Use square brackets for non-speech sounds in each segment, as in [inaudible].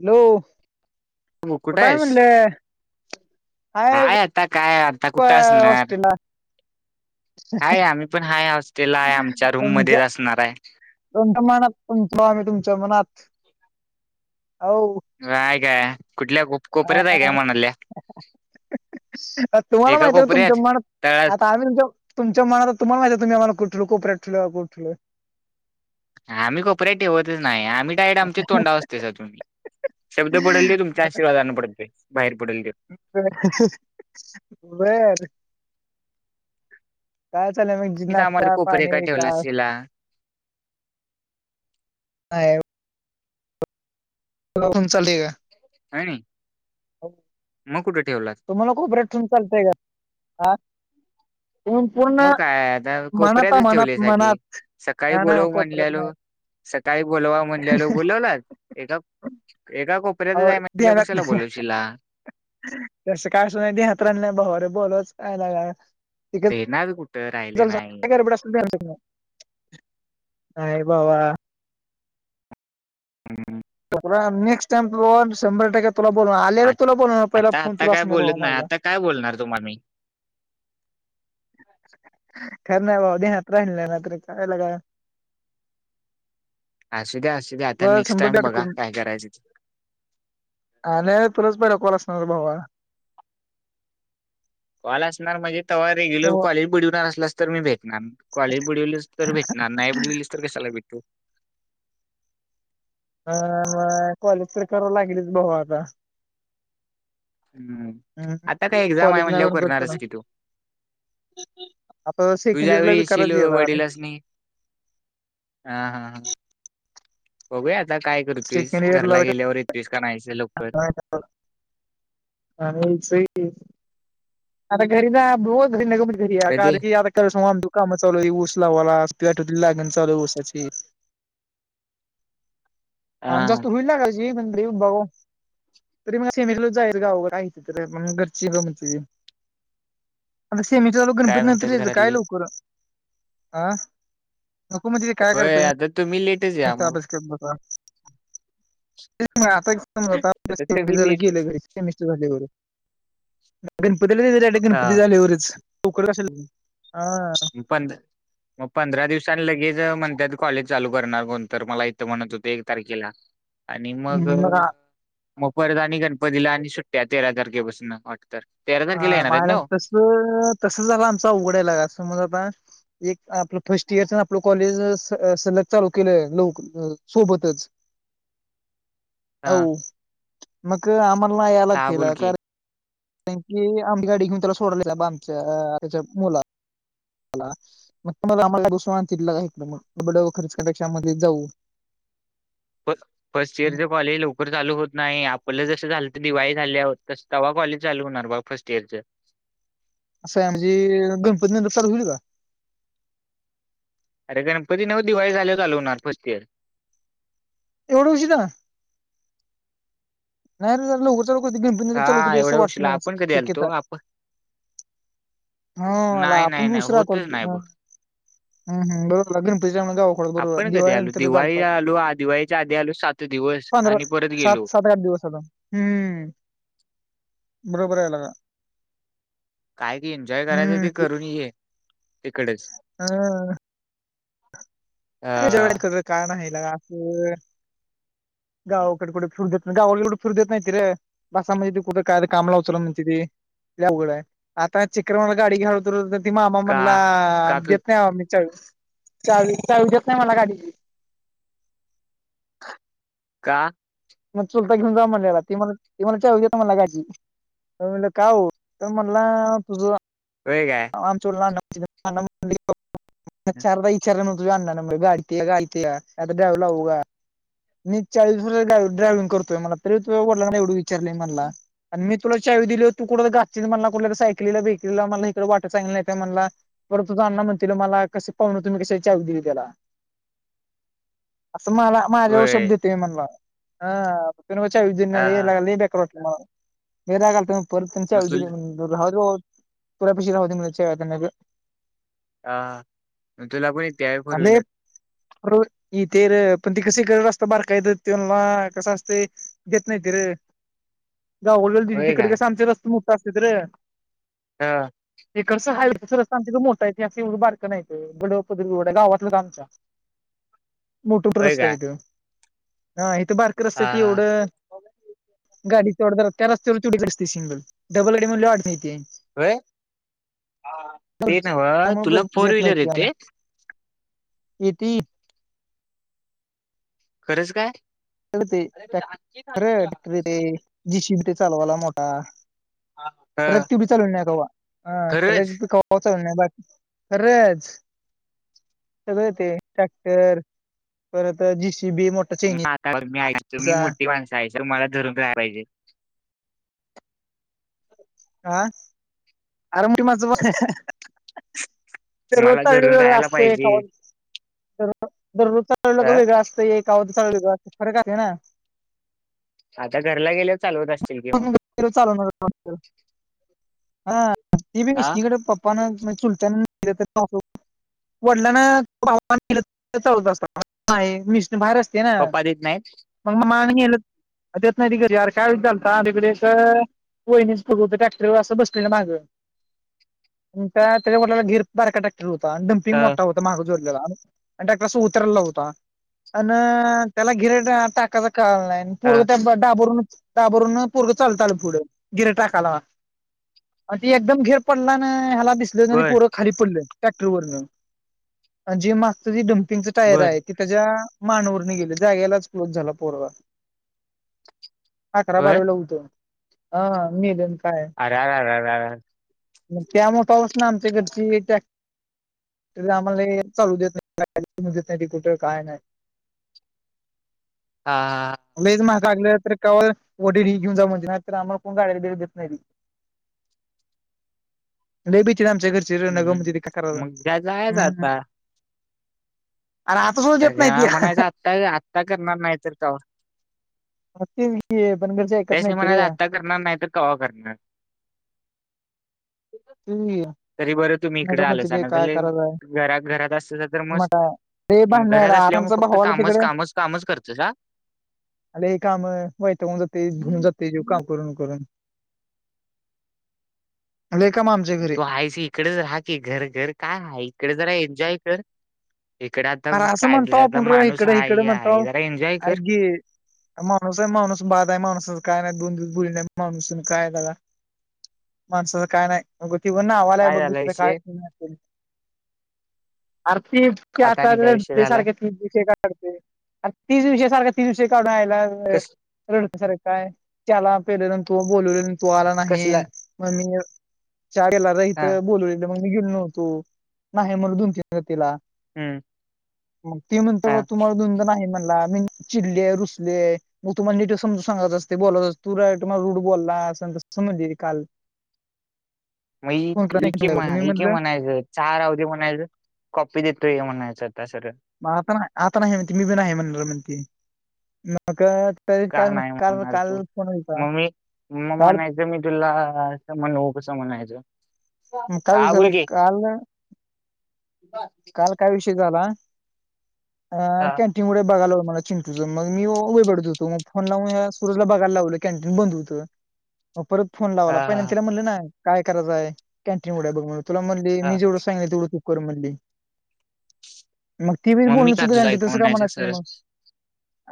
Hello, हो कुठं कुठ हाय आहेस? म्हणल? हाय आता. काय आता. कुठं असणार? हॉस्टेलला हाय, आम्ही पण हाय हॉस्टेलला आहे. आमच्या रूम मध्येच असणार आहे. दोणच्या मनात म्हतो आम्ही तुमच्या मनात आव. काय काय कुठल्या कोप कोपऱ्यात आहे काय म्हणाल्या? तुम्हाला एका माहित आहे का तुमच्या कोपऱ्यात मनात तळात आता आम्ही त! तुमच्या मनाल तुम्हाला माहिती तुम्ही आम्हाला कुठलंकोपऱ्यात ठेवलं का कुठ ठेवलं? आम्ही कोपऱ्यात ठेवतच नाही आम्ही डायरेट आमच्या तोंडाव असते सर तुम्ही शब्द बुडालेले तुम त्याच्या शिवाय जाण पडते बाहेर पडे ल दे. ब अ र. काय चालय म्हग मीच आम्हाला नाश्ता कोपरे का पाणी ठेवला काय. असशीला साहेब [unintelligible] हाय नी. हो. मग कुठे ठेवला? तुम्हाला कोपऱ्यात ठेऊन चालतय का आ मग काय आता कोपऱ्यातच ठेवले मनात सगी सकाळी नाही नाही बोलाव कोपऱ्यात म्हणलेलो. नाही सकाळी बोलवा म्हणलेल्यालों बोलावला ए गप एका कोपऱ्यात जा आहे म्हण कशाला बोलवशील. तस काय सुनायती हात्रण नाही, बरे बोलच काय लाग. [unintelligible] येणार कुठं राहिले नाही. घालतो का नाय, काय भावा? हम हम नेक्स्ट टाइम त शंभर टक्के तुला बोलून आलेला आ तुला बोलवणार पहिला आता फोन आता तुला काय असणार भावा बोलत नाही माझा. आता काय बोलणार तुम्हा मी? काय नाही बाबा, ध्यानात राहिल नाही रात्री काय लगा? असू द्या असू द्या, आता तुला नेक्स्ट शंभर टाईम टक्के बघा करून काय करायच ते? आन, तुलाच पहिला कॉल असणार भावा. कॉल असणार म्हणजे तवा रेग्युलर कॉलेज बुडीवनार असलास तर मी भेटणार. कॉलेज बुडविलस तर भेटणार, नाही बुडविलीच तर कशाला भेटू? अ कॉलेज तर कराव लागेलच भाऊ आता, हम्म! आता काय एक्झाम आहे कॉलेज नाही म्हणल्या करून वर करतो ना करणारस कि तो. आता सेकंड तुझ्या इयरला बी वेळीशील करायची आता वडिलास नी - हा हा हा बघूय आता काय करतोयस सेकंड इयरला घरला गेल्यावर येतस का नाहीयचं लवकर. आणि सही. आता घरी ना बोत घरी नग घरी आहे का कधी आता का कर सो आम तू. काम चालू ऊस लावालाठ लागल चालू ऊसाची. काम हा जास्त होईल ना काची पण रे बाघ. तरी मग सेमेकल जाईल गा वगरायची तर मग घरची ग म्हण. आता सेमी झाल्यावर काय गणपती ननंतर म्हणतात यायचं काय घरातले? लवकर ह. होय आता तुम्ही लेट म बसकट ब आता. समज आता तुम्ही आपलं लेट गेलं. मस्र झा गणपतीला गणपती हा झालेवरच. पोकड कशाला हा. [unintelligible] मग पंधरा दिवसां लगेच म्हणतात कॉलेज चालू करणार कोणत मला इथं म्हणत होतं एक तारखेला. आणि मग मग परत आणि गणपतीला आणि सुट्ट्या तेरा तारखेपासून. तेरा. हा तारखेला येणार आहेत मायला नव्ह? तस तस झालं आमचा उघडायला अस मज आता. एक आपलं फर्स्ट इयर आपलं कॉलेज. सलग चालू केलंय लोक सोबतच अ हा मग आम्हाला ना या हा बोल लागतला की. कार ईकी आंग गांडी मी तुलां सोडून दीला बां आमच्यां आत्यांच्या मुलां लां मंग तमलां आम्हांला दुंस तऐक मंग ड खर्च करंपेक्षा मध्यें जाऊं बरं फर्स्ट इयरचे कॉलेज लवकरं चालूं होतं नाहीं आपलं जसं झालं तरं दिवाळी झाल्यांत तसं तेंव्हा कॉलेज चालूं होणारं बां फर्स्ट इयंरचे असं आहे म्हंणजे गणपती नंतर चालूं होईलं कां अरे गणपती नव्हं दिवाळी झाल्यां वरं चालू होणार फर्स्ट इयंर एवढं उशीरां नाहीं रे लवकचं गिणपतीतं चालूं हा कुंती असं एवढ्या वाटतं उशिला नाहीं आपण कधी आलतो शक्यतां आपण हां नाही आपणं नाही खूंप नाही ऊशिरा चालूं होतच होती नाही बघ मंग बरो हमं हंम लग्नं पतूदे मंग जाऊं आपण थंडीबरोबर कधी आलो दिवाळीनंतर चालतं दिवाळीला आलो आ दिवाळीच्या आधी आलो सात दिवस पंधरा आणि परत सात गेलो सात आंठ दिवसं हम्मं बरोबर आहे लेकां कायं ते एन्जॉय करायचं ते हम्म करूंन ये तिकडेचं हा [unintelligible] [unintelligible] कायं जडं करं कारणं आहे लांकी गावांकडे कुठं फिरु देतं नाहीं गावां फिरू देतं नाहींतरे बसं म्हंजे ते कुठं कायं तरं कामं लावचलं म्हंण ते अवघडं आहे आतान चिक्रमालां गांडी घालवतं मामा का म्हणलां काकू देतं नाहीं मी चांबी चांबी देतं नाहीं मलां गांडी कां मंग चुलतां घेऊन जां म्हणंला ते मलां ती मलां चाबी मलां गांडीची म्हणलं कायं हो तरं म्हणलां तुझं होयं कां औणं तोंडलां नां चारदां विचारलं तुझनां नां गांडीलां गांडीलां ते तरडाव्हलां कां मी चाळीस वर्ष झाली डायव्हिंग करतोयं मलान तरी तो म्हंनला एवढं विचारतयं मलां आणि मी तुलां चांवी दिली तू कुठं गांततीलील मलां कुंठल्यारी सायकलीला बेकलीला मलां इकडं वाटतं गलं नाहीं मलां परंत तुझं अ्णा म्हणतीललं मलां कसं पाहणं तुम्हीं कशी चावी दिली त्यांला आतां मलां माझ्यां शब्ध होय देतं मी म्हणलां हं अ तुम्हीं बेकारटलां बेरगल प मग तुला च परा पिश [unintelligible] हां तुलां पणं एकती आहे फोर व्हीलर फोरविलर ते तरं पणं ती कशी ग रस्तां बारका येतं तेनां कसं असते घेतं नाहीं ती रे गांवा होय तिकडे काय कसे आमचे रस्ते मोठे असते तरं रे हां इकडचं हायं रस्ता आमच्यांथडे मोठे आहे असं एवं बारं नाहीयं बडपदरवड गांवलं आमच्यां मोठठ होय रस्तां काय इथं हां इथं बारक रस्ता हा तं एवढं गांडी चोड त्यां रस्त्यावर चुडी असते सिंगल डबल गांडी म्हणले वांट मातीय आहे. होय ते घरंची नव्ह त्यांमुळे तुला घंरची फोर देतं व्हीलर नाहीती आतां येते किती खरंच कायं ते खरं टं ते जीसीपी ते चालवांला मोठां अ ट्रंक ती चालूंन नाहीं खरंच काॅट पोचण्यांबाद खरंच सगळं येत ट्रॅक्टर परंत जीसीबी मोठं मंग आतां मी ऐ मी मोठी माणसं आहेतं तुम्हाला धरूंन राहीलं पाहिजे. हां अरं मी माझंही बघणं. ते तुम्हाला रोत्यांव घरून राहायला असते पाहिजे कवां दररोज चा लो अ वगळा असतं एक अगो चाललं वेगळं असतं फरक आहे ना. आता घरला गेल्या चालवत असतील किंवा. चालव ना ह ती बी हा मिशकडे पण चुलत. वडलांलत अस मिशन बाहेर अस- ते ना पप्पा देत नाहीत मग मग मालंेत नाही तिकर काय विल कागकडे असं वणीच बत डॅक्टर असं बसले ना मागं. त्याच्याटला गीर बारका टाकर होता आणि डम्पिंग अ मोठा होता. महाग जोडलेला आणि त्यालास उतरला होता. अन त्याला घिर टाकायचा कळ नाही पूर् अ त्या डाबरून बरूनरं लल पुढे गिर टाकायला. अ ती एकदम घेर पडला ना ह्याला दिस बर परं खाली पडलं ट्रॅक्टर वर आणि जे माग ते डम्पिंगच टायर बर आहे. कि त्याच्या मानूवर गेले जागेलाच क्लोज झाला पोरवा अकरा होय बारावीेला उतो ह मी दन काय? अररर मग त्यामुळे पाऊस ना आमच्या घरची त्या री आम्हाला चालू देत नाहीेत नाही कुठं काय नाही. हा हा लईच मागलेलं तर का वटर ही घेऊ जाऊ म्हणे नाही तर आम्हाला कोण गाडीला देत नाही. लई भितात आमच्या घरची जिर हम्म नगमच हम्म. काकरारला मग काय जायच हम्मम. आता देत नाही तरव म्हणायचं आत्ता आत्ता करणार नाही तर का. बतेव. क बनगरच्या. त्यास नाही म्हणाला आत्ता करणार नाही तर कवा करणार. ते. तरी बरं तुम्ही नग इकडे म्हणजे आलच ना काय करायचंय घ घरात असतच तर मस्त. मग अरे म भांडणार घरात असल्यावर मग आमचा फक्त भावाला कामच तिकडे कामच कामच करतंस ह. अ हे काम वायट होऊन जाते धुऊन जाते जेव काम करून करून. लय काम घरी तू आहेयस इकडेच राहा कि घर घर काय राहा इकडे जरा एन्जॉय कर. इकडे आता अरे असं म्हणतो काढलाता आपण माणूस आहे आहे जरा एन्जॉय कर. ह. माणूस आहे माणूस बाधा आहे माणूसच काय नाही दुनू बुली नाही माणूस काय दला. माणसाचं काय नाही. गो त ब ना आवाला आहे काय बघ झाला दुसरे काय विषय आरती. आता आणि काय विषय झाला सारख्या तीन दिव काढते तीस दिवस सारख्या तीन दिवषय काढूनयला. कस रडक सारखं काय त्याला पेलं नंतू बोलवले न. तू आला कसला नाहीन. मग मी च्या गेला र हिथ हा बोलू मग मी गेलो नव्हतो, नाही म्हटलो दोन तीन वेळा तेला. हम्म. ग ते म्हणत हा ब तुम्हाला दधनधन आहे म्हणला मी चिडले रुसले. मग तुम्हाला डिटेल समजून सांगत असते बोलत अस तू तुम्हा रुड बोलला अस समजली काल. मग फोन इके म मी इके म्हणलं म्हणायचं. चहा राहते म्हणायच कॉपी देतोय हे म्हणायचं आता सरळ. मग आता नाही आता नाही म्हणती मी बी नाही म्हणणार म्हणते. मग तरी का काल मग नाही काल म्हणणार काल तू फण व्हयचा. मग मी मग काल म्हणायचं मी तुला म्हणऊ कस म्हणायचं. का, काय हा झालं बोल की काल बा. काल काय विषय झाला. अ हा तेम मुळेे बघायला मला चिंटूच मग मी वय पडत होतो, मग फोन लाऊन सुरजला बघायला लावलं कॅन्टीन बंद होतं. मग परत फोन लावाला. हा पहिलंदा म्हणलं ना काय करायचंय कॅन्टीन उघड बघ म्हणून तुला म्ह ते हा मी जवढं सांगल तेवढं तु कर म्हणली. मग ती बी मम्मी बोलणं का चुकीच तुझं हाय, ऐकून तसं काय म्हणायचं म्हणाच तीन सर मग.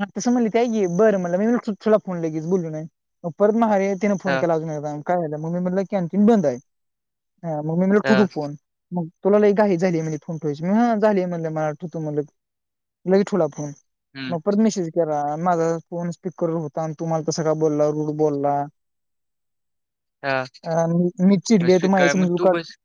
हा तसं म्हटले त्या एकि बरं म्हटल मी थुला फोन लगेच बोलू नाय. मग परत मघार येत तेन फोन हा केला अजून एकदा काय राहल. म मी म्हटल कँटीन बंद हाय. हा म मी म्हटल हा ठेऊतू फोन. मग तुला लई घाई झाली आहे म्हणे. फोन ठेवायची मी ह झाली म्हणल म ठोतो म्हणल, लगे ठोला फोन. हं, मग परत मेसेज जरा माझा फोन स्पीकरवर होता आणि तुम्हाला तसं काय बोल्ला रूड बोल्ला. हां. अ मी मीच मग चिडली, त माही स्वीकार मग समजू तू काड. कस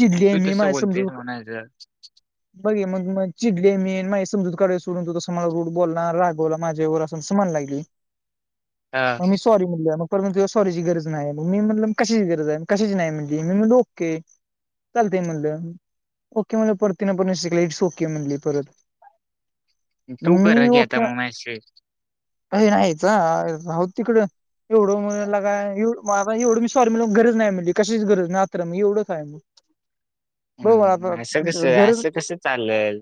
चिडलीय मी, माजी समजू तेच म्हणायचं. बग ये मग मग चिडले मी मा समजूत कडे सोडून तो तसं मला रूड बोलनार, रागवला माझ्यावर, अस समान लागली. हां, ममिस सॉरी म्हणली मग परत म्हणतं सॉरीची गरज नाही, मग मी म्हणल म कशाची गरज आहे कशाची नाही म्हणली, मी म्हणल ओके. चालते म्हणलं. ओके म्हणलं परतीने पर शिकला इट्स ओके म्हणली परत. मग तू मी करा ओके घेता मायशी. अय नाहीच. राहूदे तिकडं एवढं म्ह लगा ये म एवढ मी सॉरी मला गरज नाही म्हणली कशाचीच गरज नाही आत्र मग एवढंच काय मग. बरोबर आता हम्. असं कसं गरज असं कसं चालल.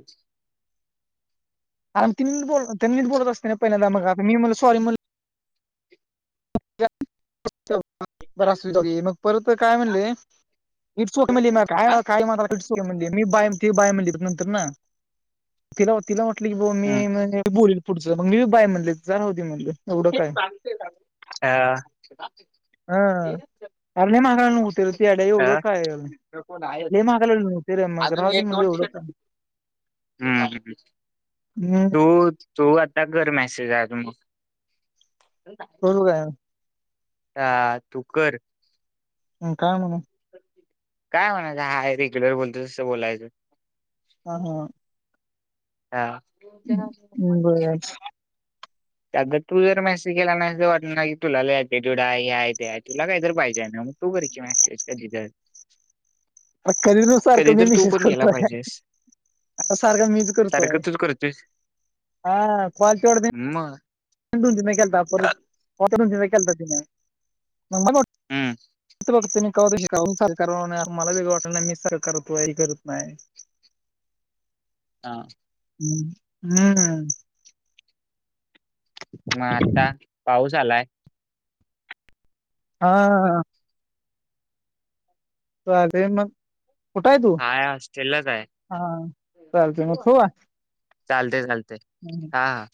आ ती बोल त्यांनीच बोलत असते पहिलंदा, मग अता मी म्हणल सॉरी म्ह बर असदे जाऊदे मग परत काय म्हणले. इटसोक मल काय रा काय म्ह म्हटली मी बा ती बाय म्हणली नंतर न. तिला तिला वाटलं की बावा हं, मी बोलल पुढच मग मी बाय म्हणले जा राहूदे म्हटलं. ग. हं अर नाही म्हागाय नव्हतर तड्या एवढं हां, काय, लई म्हागाला न्ह ते रे मग राहुदे म्हणल एवढंच हम्म ह. [unintelligible] तू तो आता कर मेसेज आहे मग. [unintelligible] ह तू कर. हं काय म्हणु. काय म्हणायचं हाय रेग्युलर बोलतो तसं बोलायचं. हा ह. ह. बरं अग तू जर मेसेज केला नाहीस वाटलं ना की तुला लई एटीटय़ूड आहेय ते आहे तुला काहीतरी पाहिजेय ना मग तु कर की मेसेज कधी तर अ कधीनु कधी सारखं मी तर तू मिशेष पण केला करतोय. पाहिजेस. आ सारख मीज करतोय. सारखं तूच करतोयस. हा कालतेवढ मग. दोन ती केलता परत दोन तीन केलता तिन. म हं, बघतन कवा, मला वेगळं वाट नाही मी सर करतो हि करत नाय. [inaudible] हा ह् हम्म मग आता पाऊस आलाय. हा. चालतय मग कुठे तू हाय हॉस्टेललाच आहे. हा चालतय मग ठेऊ का? चालतेय, चालते. हम् [inaudible] हा.